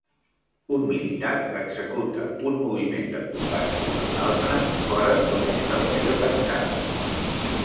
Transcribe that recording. Un militar executa un moviment de combat sobre un altre fora d'una instal·lació tancada.